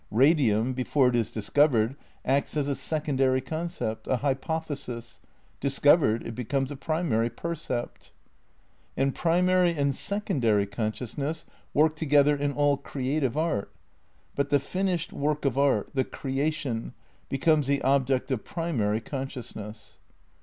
Radium before it is discovered exists as a secondary concept, a hypothesis, discovered it becomes a primary percept. And primary and secondary consciousness work to gether in all creative art ; but the finished work of art, the creation, becomes the object of primary conscious ness.